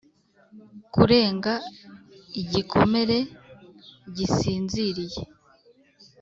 kurenga igikomere gisinziriye